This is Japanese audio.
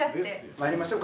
まいりましょうか。